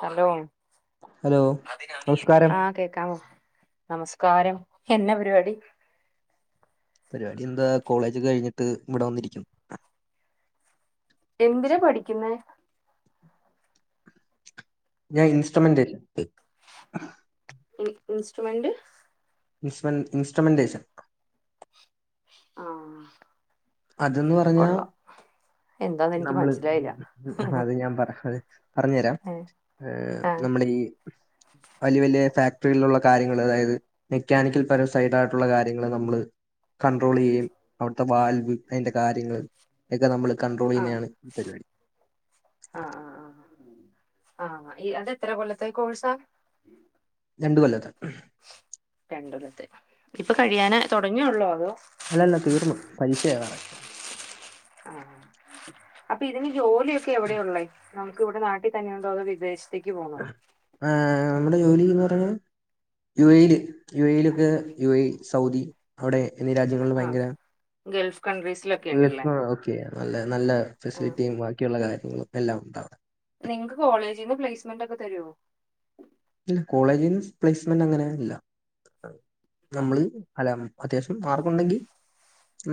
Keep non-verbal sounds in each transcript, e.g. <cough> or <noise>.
Hello hello നമസ്കാരം ആഹ് കേക്കാവോ നമസ്കാരം എന്നാ പരിപാടി പരിപാടി എന്താ കോളേജ് കഴിഞ്ഞിട്ട് ഇവിടെ വന്നിരിക്കും എന്തിന പഠിക്കുന്നെ ഞാൻ ഇൻസ്ട്രുമെന്റ് ഇ ഇൻസ്ട്രൂമെന്റ് ഇ ഇൻസ്ട്രുമെന്റേഷൻ ആഹ് അതന്ന് പറഞ്ഞാ എന്താന്ന് എനിക്ക് മനസ്സിലായില്ല ആ അത് ഞാൻ പറ അത് പറഞ്ഞു തരാം ആ ഏ ആ നമ്മളീ വലിയ വലിയ ഫാക്ടറികളിലുള്ള കാര്യങ്ങള് അതായത് മെക്കാനിക്കൽ പരം സൈഡ് ആയിട്ടുള്ള കാര്യങ്ങളൾ നമ്മള് കൺണ്ട്രോൾ ചെയ്യയും അവിടുത്തെ വാൽവ് അതിന്റെ കാര്യങ്ങൾ ഒക്കെ നമ്മൾ കൺട്രോൾ ചെയ്യുന്നതാണ് പരിപാടി ആഹ് ആഹ് ആഹ് ആഹ് അതെത്ര കൊല്ലത്ത കോഴ്സാ രണ്ടു കൊല്ലത്ത രണ്ടരത്തെ ഇപ്പൊ കഴിയാന തുടങ്ങിയള്ളോ അതോ അല്ലല്ല തീർന്നു പരീക്ഷ ആകാറായി ആഹ് അപ്പൊ ഇതിന് ജോലിയൊക്കെ എവിടെയള്ളേ നമുക്ക് ഇവിടെ നാട്ടിൽ തന്നെയുണ്ടോ അതോ വിദേശ- ത്തേക്ക് പോണോ ഏ നമ്മുടെ ജോലിന്ന് പറഞ്ഞൽ യു എയില് യു എയിലൊക്കെ യു എ സൗദി അവിടെ എന്നീ രാജ്യങ്ങളിൽ ആ ഭയങ്കര- ഗൾഫ് കണ്ടട്രീസ് യു സ്‌ ഓക്കെ നല്ല നല്ല ആ ഫെസിലിറ്റിയും ബാക്കിയുള്ള കാര്യങ്ങളും എല്ലാം ഉണ്ട് അവിടെ നിങ്ങക്ക് കോളേജീന്ന് പ്ലേസ്മെന്റ് ഒക്കെ തരുമോ ഇല്ല കോളേജിന്ന് പ്ലേസ്മെന്റ് അങ്ങനെ ഇല്ല ഇല്ല നമ്മള് - അത്യാവശ്യം മാർക്ക് ഉണ്ടെങ്കിൽ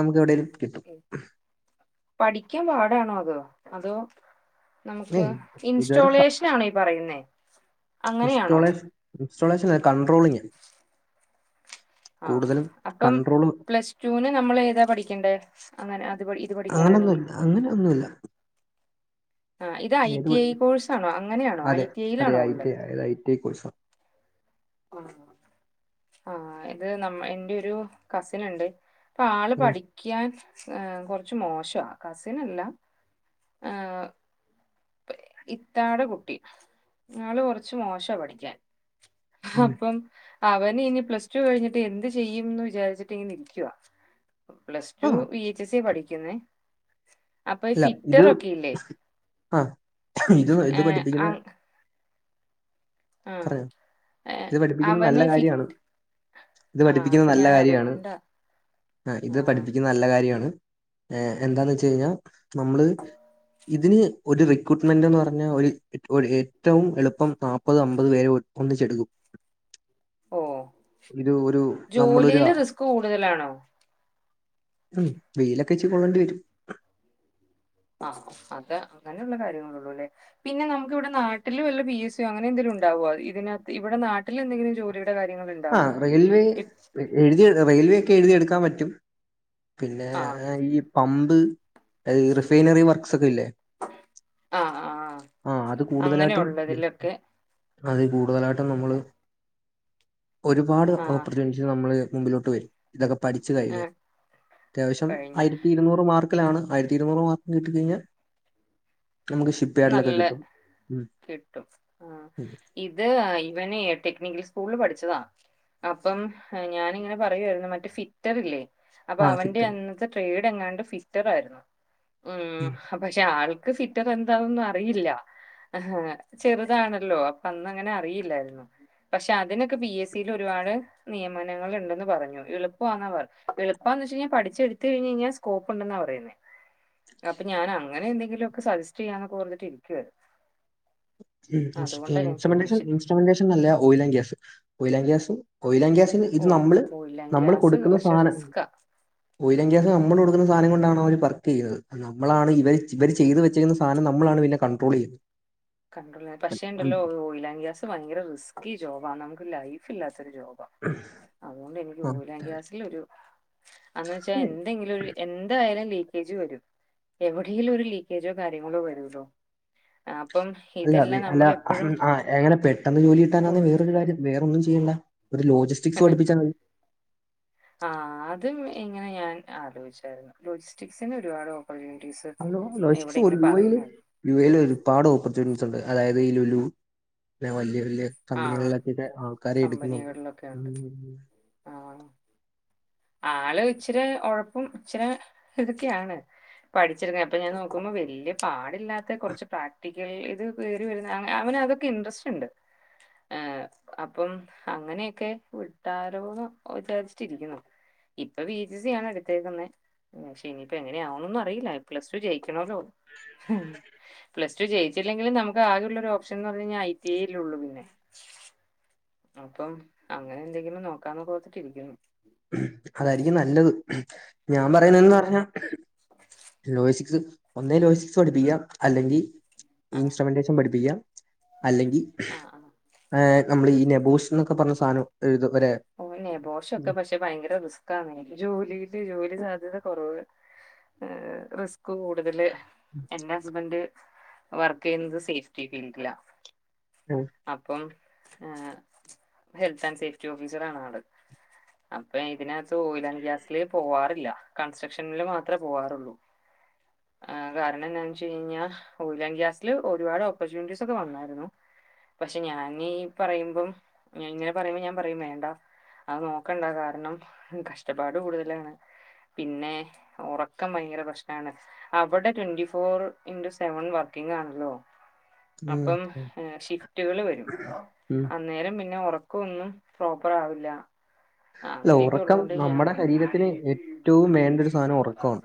നമുക്ക് എവിടെങ്കിലും കിട്ടും പഠിക്കാൻ പാടാണോ അത് അതോ നമുക്ക് ഏയ് ഇതുവരെ ഇൻസ്റ്റോളേഷൻ ആണോ ഈ പറയുന്നേ അങ്ങനെയാണോ ഇൻസ്റ്റോളേഷൻ ഇൻസ്റ്റോളേഷൻ കണ്ടട്രോളിങാ ആ അപ്പം കൺട്രോള് പ്ലസ്ടുവിന് നമ്മൾ ഏതാ പഠിക്കണ്ടേ അങ്ങനെ അത് ഇത് പഠിക്ക ഒന്നുല്ല അങ്ങനെയൊന്നുല്ല ആഹ് ഇത് ഐ ഏത് ടി പഠി ഐ കോഴ്സ് ആണോ അങ്ങനെയാണോ ഐ അതെ ടി അതെ ഐയിലാണോ ഉള്ളേ ഐറ്റിഐ ഐറ്റിഐ കോഴ്സ് ആ ആ ഇത് നമ്മ എന്റെ ഒരു കസിൻ ഉണ്ട് അപ്പ ആള് ഉം പഠിക്കാൻ കുറച്ച് മോശ കസിനല്ല ആഹ് ഇത്താടെ കുട്ടി ആള് കൊറച്ച് മോശ പഠിക്കാൻ ഉം അപ്പം അവന് ഇനി പ്ലസ് ടു കഴിഞ്ഞിട്ട് എന്ത് ചെയ്യുംന്ന് വിചാരിച്ചിട്ട് ഇങ്ങ് നിൽക്കവാ ആ പ്ലസ്ടു വി എച്ച് എസിയാ പഠിക്കുന്നേ അപ്പൊ ഈ അല്ല ഫിറ്റർ ഇത് ഒക്കെ ഇല്ലേ? ആ ഇത് ഇത് ഏഹ് പഠിപ്പിക്കുന്ന അങ് ആഹ് പറയാ ഏഹ് ഇത് പഠിപ്പിക്കുന്നത് നല്ല അവന് ഫി കാര്യാണ് ഇത് ആഹ് പഠിപ്പിക്കുന്നത് അപ്പൊ നല്ല ഞാൻ കാര്യാണ്. അതുകൊണ്ടാ ആ ഇത് ആഹ് പഠിപ്പിക്കുന്ന നല്ല കാര്യമാണ് എന്താന്ന് വെച്ച് കഴിഞ്ഞാൽ നമ്മള് ഇതിന് ഒരു റിക്രൂട്ട്മെന്റ് എന്ന് പറഞ്ഞാൽ ഒരു ഏറ്റവും എളുപ്പം നാപ്പത് അബ- അത് വേരെ ഒ ഒന്നിച്ചെടുക്കും ഓഹ് ഇത് ഒരു നമ്മളൊരാ ജോലിയില് റിസ്ക് കൂടുതലാണോ? ഉം വെയിലൊക്കെച്ച്രി കൊള്ളേണ്ടി വരും ആഹ് അത് അങ്ങനെയുള്ള കാര്യങ്ങളള്ളൂ അല്ലേ പിന്നെ നമുക്ക് ഇവിടെ നാട്ടിൽ വല്ല പി എസ് സി ഓ അങ്ങനെ എങ്കിലും ഉണ്ടാവോ അതിനകത്ത് ഇവിടെ നാട്ടിൽ എന്തെങ്കിലും ജോലിയുടെ കാര്യങ്ങള ആഹ് റെയിൽവേ എഴുതി റെയിൽവേ ഒക്കെ എഴുതിയെടുക്കാൻ പറ്റും പിന്നെ ആഹ് ഈ പമ്പ് അത് റിഫൈനറി വർക്ക്സ് ഒക്കെ ഇല്ലേ ആഹ് ആഹ് ആഹ് അത് അങ്ങനെ കൂടുതലായിട്ടും ഉള്ളതിലൊക്കെ അത് കൂടുതലായിട്ടും നമ്മള് ഒരുപാട് ആഹ് ഓപ്പർച്യൂണിറ്റിസ് നമ്മള് മുമ്പിലോട്ട് വരും ഇതൊക്കെ പഠിച്ചു ഏ കഴിഞ്ഞു അത്യാവശ്യം കഴിഞ്ഞ ആയിരത്തി ഇരുന്നൂറ് മാർക്ക് ക്കലാണ് ആയിരത്തി ഇരുന്നൂറ് മാർക്ക് കിട്ടി കഴിഞ്ഞാൽ നമു നല്ല കിട്ടും ആഹ് ഉം ഇത് ഇവൻ എഹ് ടെക്നിക്കൽ സ്കൂളിൽ പഠിച്ചതാ അപ്പം ഞാനിങ്ങനെ പറയുമായിരുന്നു മറ്റ ഫി റ്ററില്ലേ അപ്പൊ ആ അവന്റെ ഫിത്തൽ അന്നത്തെ ട്രേഡ് എങ്ങാണ്ട് ഫിറ്റർ ആയിരുന്നു ഉം ത്തിക് പക്ഷെ ആൾക്ക് ഫിറ്റർ ത അതൊന്നും അറിയില്ല ചെറുതാണല്ലോ അപ്പൊ അന്ന് അങ്ങനെ അറിയില്ലായിരുന്നു പക്ഷെ അതിനൊക്കെ പി എസ് സിൽ ഒരുപാട് നിയമനങ്ങൾണ്ടന്ന് പറഞ്ഞു എളുപ്പവാൻ എളുപ്പമന്ന് വെച്ച് കഴിഞ്ഞാ പഠിച്ചെടുത്തു കഴിഞ് കഴിഞ്ഞാൽ സ്കോപ്പ് ഉണ്ടെന്നാ പറയ അപ്പൊ ഞാൻ അങ്ങനെ എന്തെങ്കിലും ഒക്കെ സജ ചെയ്യാന്നോകെ പർഞ്ഞിട്ടിരിക്കുവാരുന്നു ഉം ഇൻസ്ട്രമെൻ്റെശൻ ചോദിച്ചേ ഇൻസ്ട്രമെൻ്റെ ശേനിലും നല്ല oil and gas oil and gas ഇത് ഓ നമ്മള് ഓയിലാൻ നമ്മള് ഗ്യാസ് കൊടുക്കുന്ന പക്ഷെ സാധനം റിസ്ക്കാ ഓയിലം ഗ്യാസ് നമ്മൾ കൊടുക്കുന്ന സാധനം കൊണ്ടാണ് അവർ വർക്ക് ചെയ്യുന്നത് നമ്മളാണ് ഇവര് ഇവര് ചെയ്ത് വെ യുന്ന സാധനം നമ്മളാണ് പിന്നെ കൺട്രോൾ ചെയ്യുന്നത് കണ്ടോള്ളാൻ പക്ഷേ ഉം, ഉണ്ടല്ലോ ഓയിലാൻ ഗ്യാസ് ഭയങ്കര റിസ്കി ജോബാണ് നമുക്ക് ലൈഫ് ഇല്ലാത്ത ഒരു ജോബാണ് അതുകൊണ്ട് എനിക്ക് ആ ഓയിലാം ഗ്യാസിൽ ഒരു അന്ന് വെച്ചാ എന്തെങ്കിലും ഒരു എന്തായാലും ലീക്കേജ് വരും എവിടെേങ്കിലും ഒരു ലീക്കേജോ കാര്യങ്ങളോ വരുലോ ആ അപ്പം അല്ല അ അല്ല നമ്മളെപ്പോഴും ആഹ് എങ്ങനെ പെട്ടെന്ന് ജോലി കിട്ടാനാണ് ഫുൾ വേറൊരു കാര്യം വേറൊ ഒന്നും ചെയ്യണില്ല ഒരു ലോജിസ് <unintelligible> ആ അതും ഇങ്ങനെ ഞാൻ ആലോചിച്ചായിരുന്നു ലോജിസ്റ്റിക്സിന് ഒരുപാട് ഓപ്പർച്യൂണിറ്റീസ് ലോ- ലോജിസ്റ്റിക്സ് എവിടെ ഒരു ഇങ്ങനെ യു ഐയില് പറയുന്ന കേ യു എയിൽ ഒരുപാട് ഓപ്പർച്യൂണിറ്റിസ് ഉണ്ട് അതായത് ലുലു വലിയ വലിയ ആ കമ്പനികളിലൊക്ക്കെ ആൾക്കാരെ എടുക്കുന്നുണ്ട് കമ്പനികളിലൊക്കെ ഉണ്ട് ആ ആള് ഇച്ചിരി ഒഴപ്പും ഇച്ചിരി ഇതൊക്കെയാണ് പഠിച്ചെടുക്കാൻ അപ്പൊ ഞാൻ നോക്കുമ്പോ വല്യ പാടില്ലാത്ത കുറച്ച് പ്രാക്ടിക്കൽ ഇത് വരുന്ന അങ്ങനെ അവന് അതൊക്കെ ഇൻട്രസ്റ്റ് ഉണ്ട് ഏ അപ്പം അങ്ങനെയൊക്കെ വിട്ടാരോന്ന് വിചാരിച്ചിട്ടിരിക്കുന്നു. ഇപ്പൊ ബി എച്ച് സി ആണ് എടുത്തേക്കുന്നത് പക്ഷെ ഇനിയിപ്പോ എങ്ങനെയാവണന്നും അറിയില്ല പ്ലസ് ടു ജയിക്കണല്ലോ. പ്ലസ് ടു ചെയയിച്ചില്ലെങ്കിലിൽ നമുക്ക് ആകെയുള്ള ഓപ്ഷ- ന്ന് പറിഞ്ഞു കഴിന്ന ഐ ടി ഉള്ളു പിന്നെ അപ്പം അങ്ങനെ എന്തെങ്കിലും നോക്കാന്ന് ഓർത്തിട്ടിരിക്കുന്നു അതായിരിക്കും നല്ലത് ഞാൻ പറയുന്നന്ന് ഉം. പറഞ്ഞ ലോജിസിക്സ് ഒന്നേ ലോജിസ്റ്റിക്സ് പഠിപ്പിക്കാം അല്ലെങ്കിൽ ആഹ്. ഇൻസ്ട്രുമെന്റേഷൻ പഠിപ്പിക്കാം അല്ലെങ്കിൽ ആഹ്, ആഹ്. നമ്മൾ ഈ നെബൂസ് എന്നൊക്കെ പറഞ്ഞ സാധനം ഒര്ത് ഏഹ് ഓൻ നെബോഷൻ പക്ഷെ ത് ഭയങ്കര റിസ്ക് ആണേ ജോലിടെ ജോലി സാധ്യത കുറവ് ആ റിസ് കൂടുതല് എന്റെ ഹസ്ബന്ഡ് വർക്ക് ചെയ്യുന്നത് സേഫ്റ്റി ഫീൽഡിലാ. ഉം അപ്പം ഹെൽത്ത് ആൻഡ് സേഫ്റ്റി ഓഫീസറാണ് ആള് അപ്പൊ ഇതിനകത്ത് ഓയിൽ ആൻഡറ് ഗ്യാസില് പോവാറില്ല കൺസ്ട്രക്ഷനിൽ മാത്രമേ പോവാറുള്ളൂ. ആ കാരണം എന്താന്ന് വെച്ച് കഴിഞ്ഞ <unintelligible> ഗ്യാസില് ഒരുപാട് ഓപ്പർച്യൂണിറ്റീസ് ഒക്കെ വന്നായിരുന്നു. പക്ഷെ ഞാനീ പറയുമ്പം ഇങ്ങനെ പറയുമ്പോ ഞാൻ പറയും വേണ്ട അത് നോക്കണ്ട കാരണം കഷ്ടപ്പാട് കൂടുതലാണ്. പിന്നെ ഉറക്കം ഭയങ്കര പ്രശ്നാണ്. അവിടെ twenty four into seven working ആണല്ലോ. അപ്പം ഉം. ഷിഫ്റ്റുകള് വരും ഉം. അന്നേരം പിന്നെ ഒർ ക്കൊന്നും പ്രോപ്പർ ആവില്ല. അല്ല അങ്ങനെയൊക്കെ ഉറക്കം ഉള്ളോണ്ട് ഞാൻ നമ്മുടെ ശരീരത്തിന് ഏറ്റവും വേണ്ട ഒരു സാധനം ഉറക്കമാണ്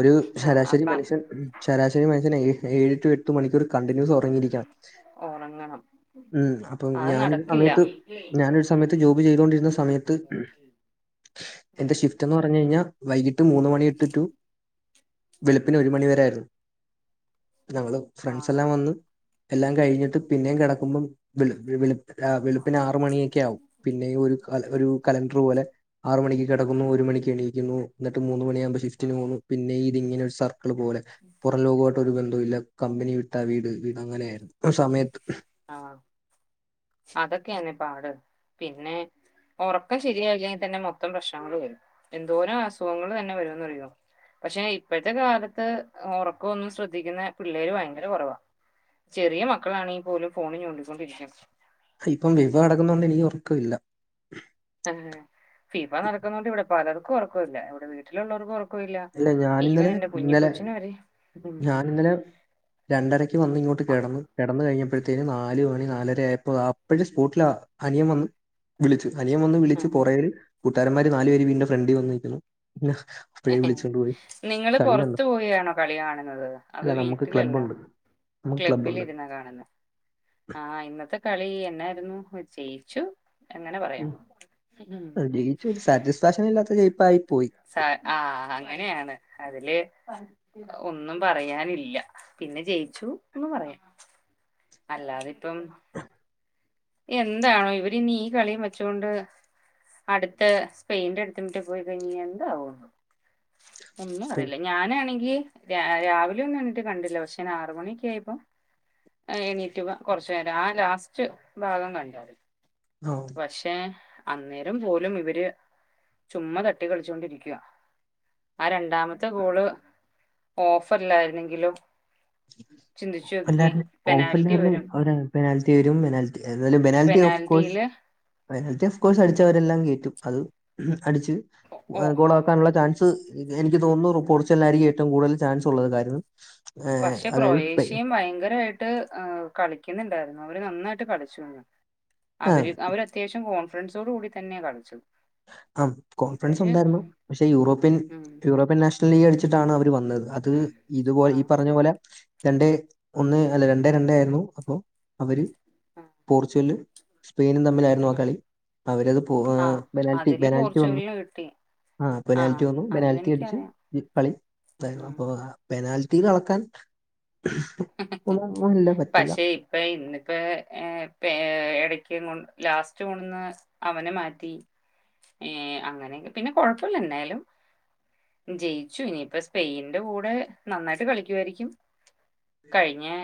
ഒരു ആഹ് ശരാശരി അപ്പ മനുഷ്യൻ ശരാശരി മനുഷ്യൻഏ ഏഴു ടു എട്ടു മണിക്കൂർ കണ്ടിന്യൂസ് ഒർ - പരിഹരിക്കാം. ഒറങ്ങണം ഉം അപ്പൊ അത് ഞാന് നടക്കില്ല അമയത് ഞാന് സമത്ത് ജോബ് ചെയ്തു കൊണ്ടിരുന്ന സമയ ഓക്കെ എന്റെ ഷിഫ്റ്റ്ന്ന് പറഞ് കഴിഞ്ഞാൽ വൈകീട്ട് മൂന്ന് മണി ഇട്ടിട്ടു വെളുപ്പിന് ഒരു മണിവരെയായിരുന്നു. ഞങ്ങള് ഫ്രണ്ട്സ് ആഹ് എല്ലാം വന്ന് എല്ലാം കഴിഞ്ഞിട്ട് പിന്നെയും കിടക്കുമ്പം വെളു - വെളുപ്പിന് ആറ് മണിയൊക്കെ ആകും പിന്നെ ഒരു കാലത്ത് ഒരു കലണ്ടർ പോലെ ആറ് മണിക്ക് കിടക്കുന്നു ഒരു മണിക്ക് എണീക്കുന്നു എന്നിട്ട് മൂന്ന് മണിയാവുമ്പോൾ ഉം ഷഫ്റ്റിന് പോന്നുന്നു പിന്നെ ഇങ്ങനെ ഒരു സർക്കിൾ പോലെ പുറ ലോകോ ഒരു ബന്ധവുമില്ല ഇല്ല കമ്പനി വിട്ട വീട് വീട് അങ്ങനെ ആയിരുന്നു സമയത്ത്. ആഹ് അതൊക്കെണ് പാട് പിന്നെ ഒറക്കം ശരിയായില്ലെങ്കിൽ തന്നെ മൊത്തം പ്രശ്നങ്ങൾ വരും, എന്തോരം അസുഖങ്ങൾ തന്നെ വരുമെന്നറിയോ? പക്ഷെ ഇപ്പോഴത്തെ കാലത്ത് ഉറക്കമൊന്നും ശ്രദ്ധിക്കുന്ന പിള്ളേര് ഭയങ്കര കുറവാാണ്. ചെറിയ മക്കളാണങ്കിൽ പോലും ഫോണിൽ ചൂണ്ടിക്കൊണ്ടിരിക്കുന്നത് ഇപ്പം ഫിഫ നടക്കുന്നോണ്ട് എനിക്ക് ഉറക്കം ഇല്ല ആഹ് ഫിഫ നടക്കുന്ന കൊണ്ട് ഇവിടെ പലർക്കും ഉറക്കം ഇല്ല ഇവിടെ വീട്ടിലുള്ളവർക്കും ഉറക്ക- യില്ല അല്ല ഈവൻ ഞാനിന്നലെ എന്റെ കുഞ്ഞ് ഇന്നലെ കൊച്ചന് വരെ- ഞാനിന്നലെ രണ്ടരയ്ക്ക് വന്ന് ഇങ്ങോട്ട് കിടന്ന് കിടന്ന കഴിഞ്ഞപ്പോഴത്തേന്നു നാല് മണി നാലരയായപ്പോ അപ്പോഴും സ്പോട്ടിലാ- അനിയം വന്നു വിളിച്ചു അനിയം വന്ന് വിളിച്ച് ആഹ് കുറേര് കൂട്ടുകാരന്മാര് നാലു പേര് വീടിന്റെ ഫ്രണ്ടിൽ വന്നിരിക്കുന്നു പിന്നെ- അപ്പഴേ വിളിച്ചോണ്ട് പോയി നിങ്ങള് കളി കണ്ടു പുറത്തു പോയിയാണോ കളി കാണുന്നത് അത് അല്ല നമുക്ക് വീട്ടിലല്ല ക്ലബ്ബുണ്ട് നമുക്ക് ക്ലബ്ബിൽ ക്ലബ്ബുണ്ട് ഇരുന്നാ കാണുന്നു ആഹ് ഇന്നത്തെ കളി എന്നായിരുന്നു ജെയിച്ചു. ഉം ഒരു സാറ്റിസ്ഫാക്ഷൻ ഇല്ലാത്ത ജയിപ്പ് ആയി പോയി സ ആഹ് അങ്ങനെയാണ് അതില് ഒന്നും പറയാനില്ല പിന്നെ ജയിച്ചു ന്നും പറയാൻ അല്ലാതിപ്പം എന്താണോ ഇവരിനീ കളീം വെച്ചോണ്ട് അടുത്ത സ്പെയിന്റെ അടുത്തോ മറ്റോ പോയിക്കഴിഞ്ഞാ എന്തോ ആവോ എന്തോ ഒന്നും അറയില്ല ഞാനാണെങ്കി രാവിലെ ഒന്നും വണിട്ട് കണ്ടില്ല പക്ഷെ ഞാൻ ആറുമണിയൊക്കെ ആയപ്പം എണീറ്റ് കുറച്ചു നേരം ആ ലാസ്റ്റ് ഭാഗം കണ്ടും <inaudible> പക്ഷെ അന്നേരം പോലും ഇവര് ചുമ്മാ തട്ടി കളിച്ചുകൊണ്ടിരിക്ക. ആ രണ്ടാമത്തെ ഗോള് ഓഫർല്ലായിരുന്നെങ്കിലും <unintelligible> ഓഫ് ഓഫ് പെനാൽറ്റി വരും ലേ പെനാൽറ്റി വരും ഏതായാലും പെനാൽറ്റി ഓഫ്‌കോഴ്സ് പെനാൽറ്റിയില് പെനാൽറ്റി ഒഫ് കോഴ്സ് അടിച്ചവരെല്ലാം കേറ്റും അത് അടിച്ച് ഓ ഗോളാ ഉള്ള ചാൻസ് എനിക്ക് തോന്നുന്നു പോർച്ച് ഗല്ലായിരിക്കും ഏറ്റവും കൂടുതൽ ചാൻസ് ഉള്ളത്. കാര്യം ഏ ക്രൊയേഷ്യേം ഭയങ്കരായിട്ട് കളിക്ക്ന്ന്ണ്ടായിരുന്നു അവര് നന്നായിട്ട് കളിച്ചു ആ അവര് അവരത്യാശ്യം കോൺഫിഡൻസോടു കൂടി തന്ന്യാ കളിച്ചത് ആം ഇവര് കോൺഫിഡെൻസൊണ്ടായിര്ന്നു പക്ഷെ യൂറോപ്യൻ ഉം യൂറോപ്യൻ നാഷ് ലീഗ് കളിച്ചിട്ടാണ് അവര് വന്നത് അത് ഇതുപോൽ ആ ഈ പറഞ്ഞ പോലെ രണ്ടേ ഒന്ന് അല്ല രണ്ടേ രണ്ടേ ആയിര്ന്നു അപ്പോ അവര് ആ പോർച്ചുഗല്ല് സ്പെയിനും തമ്മിലാ നോ ആ കളി അവരത് പോ ആ ബെനാൽറ്റി അതില് ബെനാൽറ്റി വന്നു പോർച്ചുഗലിന് കിട്ടി ആഹ് ആ പെനാൽറ്റി വന്നു പെനാൽറ്റി അടിച്ച് അതെനിക്കറിയാം ഈ കളി ഉം <unintelligible> ആഹ് പെനാൽറ്റിയിലളക്കാൻ <unintelligible> പറ്റില്ലാ അപ്പേ ഇന്ന്പ്പേ ഏപ്പേ ഇടക്ക്ങ്ങൊട് ലാസ്റ്റ് കൊണ്ട്ന്ന് അവനെ മാറ്റി ഏഹ് അങ്ങനെ ക്കെ പിന്നെ കൊഴ്പ്പൂല്ല ന്നായാലും ജയിച്ചു ഇനിയിപ്പെ സ്പെയിൻന്റെ കൂടെ നന്നായിട്ട് കളിക്ക്യുവായിരിക്കും കഴിഞ്ഞെ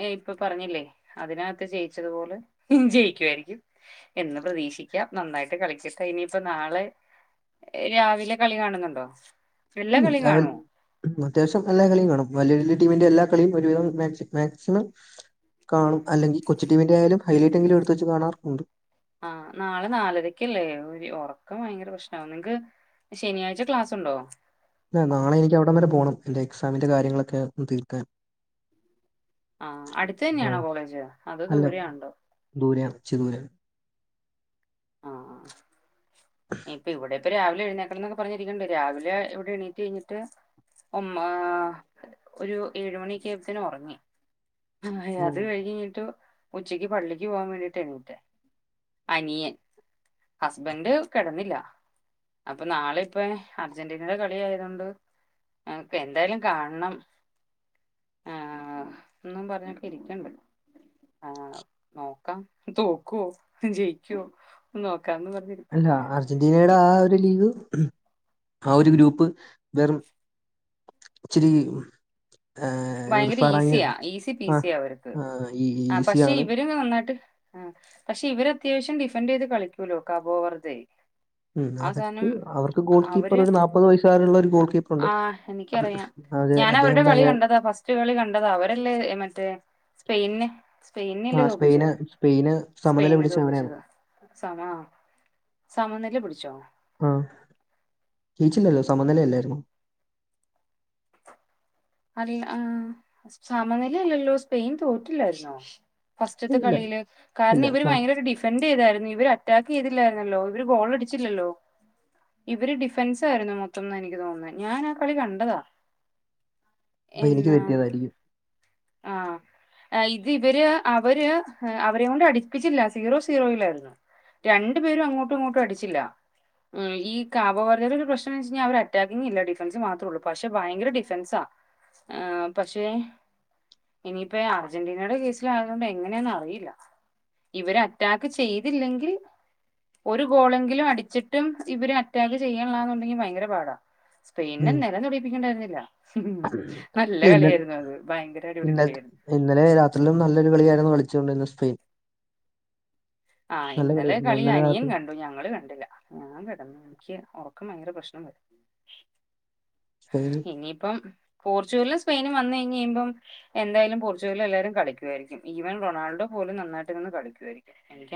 ഏ ഇപ്പൊ പറഞ്ഞില്ലേ അതിനകത്ത് ജയിച്ചതുപോലെ ജയിക്കുവായിരിക്കും എന്ന് പ്രതീക്ഷിക്കാം നന്നായിട്ട് കളിക്കട്ടെ ഇനിയിപ്പ നാളെ രാവിലെ കളി കാണ്ന്നുണ്ടോ ഉം രാവിൽ അത്യാവശ്യം എല്ലാ കളിയും കാണും വല്യെ വല്യെ ടീമിന്റെ എല്ലാ കളിയും ഒരുവിധം മാക്സി മാക്സിമം കാണും അല്ലെങ്കി കൊച്ചുടീവിന്റ്യായാലും ഹൈലൈറ്റെങ്കിലും എട്ത്ത് വച്ച് കാണാറ് ഉണ്ട് ആഹ് നാളെ നാലരക്കല്ലേ ഒരു ഒറക്കം ഭയങ്കര പ്രശ്നാവും നിങ്ങ്ക്ക് ശനിയാഴ്ച ക്ലാസുണ്ടോ നാളെ എനിക്ക് അവിടം വരെ പോണം എന്റെ എക്സാമിന്റെ കാര്യങ്ങളൊക്കെ ഒന്ന് തീർക്കാൻ ആഹ് അട്ത്ത് ആ, തന്നെയാണോ കോളേജ് അതോ ദൂരെയാണ്ടോ? ദൂരെയാ ഇച്ചി ദൂരാ ആഹ് ഇപ്പം ഇവിടെപ്പൊ രാവിലെ എഴ്ന്നേക്കണംന്നൊക്കെ പറഞ്ഞിരിക്ക്ണ്ട് രാവിലെ ഇവ്ടെ എണീറ്റ് കഴിഞ്ഞ്ട്ട് ഉമ്മാ ഒരു ഏഴ്മണ്യെക്ക്യെയപ്പത്ത്ന് ഒർങ്ങി ആഹ് ഓ, അത് കഴിഞ്ഞ്ഞിട്ട് ഉച്ചയ്ക്ക് പള്ളിക്ക് പോകാൻ വേണ്ടിട്ട എണീറ്റെ അനിയൻ ഹസ്ബൻഡ് കെടന്നില്ല അപ്പൊ നാളെയിപ്പെ അർജന്റീനേടെ കളിയായതോണ്ട്പ്പെന്തായാലും കാണണം ന്നും പറഞ്ഞൊക്കെയിരിക്കണ്ട് ആഹ് നോക്കാം തോക്കോ ജെയിക്കോ നോക്കാംന്നും പർഞ്ഞിര് അല്ലാ അർജെന്റീനേടെ ആഹ് ഒരു ലീഗ് ആ ഒര് ഗ്രൂപ്പ് വെറും ച്ചിരീ ഭയങ്കര ഈസിയാ ഈസി ആഹ് പീസിയാ അവര്ത് ആഹ് ഈ ആഹ് പക്ഷെ ഈസിയാണ്. ഇവര്ത് നന്നായ്ട്ട് ആഹ് പക്ഷെ ഇവരത്യാവശ്യം ഡിഫൻഡെയ്ത് കളിക്കൂലാേ കാബോ വർതെ ഉം ആ അവർക്ക് സാനം അവർക്ക് ഗോൾ കീപ്പർ അവര് ഒരു നാപ്പത് വയസ്സുകാരുള്ള ഒരു ഗോൾ കീപ്പറുണ്ട്. ആഹ് എനിക്കറിയാം അതെ അദ്ദേഹം ഞാനവര്ടെ കളി ഭയങ്കര കണ്ടതാ ഫസ്റ്റ് കളി കണ്ടതാ അവരല്ലേ മറ്റേ സ്പെയ്നെ സ്പെയിന്നെയല്ലേ ആഹ് സ്പെയിന് തോപ്പിച്ചേ സ്പെയിന് സമനില സ്പെയിന്നെ പിടിച്ച അവനാണ്. തോപ്പിച്ചത് സമ സമനില പിട്ച്ചോ ആഹ് ജയിച്ചില്ലല്ലോ സമനില അല്ലായിര്ന്നാേ അറിയ്ൽ ആഹ് സമനിലെല്ലല്ലോ സ്പെയിൻ തോറ്റില്ലായ്ര്ന്നോ ഫസ്റ്റ്ത്തെ ഇല്ല കളീല് ഇല്ല കാരണം ഇവര് സ- വയങ്കരൊരു ഡിഫ് ഫെന്റ് ചെയ്തായിര്ന്ന് ഇവര് അറ്റാക്ക് ചെയ്തില്ലായിര്ന്നല്ലോ ഇവര് ഗോളടിച്ചില്ലല്ലോ ഇവര് ഡിഫെൻസായിര്ന്നു മൊത്തംന്നാ എനിക്ക് തോന്ന്ന്നെ ഞാനാ കളി കണ്ടതാ അപ്പൊ എനിക്ക് എന്നാ തെറ്റിയതായിരിക്കും. ആഹ് ഇത് ഇവര് അവര് അവരേങ്കൊണ്ട് അടിപ്പിച്ചില്ല സീറോ സീറോയിലായ്ര്ന്ന് രണ്ടു പേരും അങ്ങോട്ടും ഇങ്ങോട്ടും അടിച്ചില്ലാ ഉം ഈ കാ ബോരെരൊരു പ്രശ്നോന്ന് വെച്ച് കയ്ഞ്ഞാ അവര് അറ്റാക്കിങ്ങ് ഇല്ല ഡിഫൻസ് മാത്രാെള്ളൂ പക്ഷെ ഭയങ്കര ഡിഫൻസാ ആ പക്ഷെ ഇനിയിപ്പ അർജന്റീനയ്ടെ കേസിലാ <unintelligible> എങ്ങനെയാന്ന് അറിയില്ലാ ഇവര് അറ്റാക്ക് ചെയ്തില്ലെങ്കിൽ ഒരു ഗോളെങ്കിലും അടിച്ചിട്ടും ഇവര് അറ്റാക്ക് ചെയ്യണില്ലാന്നുണ്ടെങ്കി ഭയങ്കര പാടാ സ്‌പെയിനിനെ ഉം നെലം തൊടീപ്പിക്ക്ണ്ടായിര്ന്നില്ലാ ഉം നല്ല ഇല്ല ഇന്ന കളിയായിര്ന്നു അത് ഭയങ്കര അടിപൊളി ഇന്നലത്തെ കളിയായിര് ഇന്നലെ രാത്രിയിലും നല്ലൊരു കളിയായിര്ന്നു കളിച്ചോണ്ടിരുന്നേ സ്പെയ്ൻ ആഹ് ഇന്നലെ കളിയായിരുന്നു കളി ഇന്നലെ അനിയൻ രാത്രി കൺ ഞങ്ങള് കണ്ടില്ലാ ഞാൻ കിടന്ന് എനിക്ക് ഒറക്കം ഭയങ്കര പ്രശ്നാണ് സ്പെയ്ന് ഇനിയിപ്പം പോർച്ച്ഗല്ലും സ്പെയിനും വന്നയ്ഞ്ഞയ്‌മ്പം എന്തായാലും പോർച്ചുഗല്ല് എല്ലാവരും കളിക്കുവായിരിക്കും ഈവൻ റൊണാൾഡോ പോലും നന്നായിട്ട്ര്ന്ന് കളിക്കുവായിരിക്കും